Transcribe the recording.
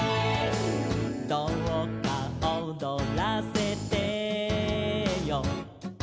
「どうか踊らせてよ」